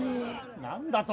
・何だと？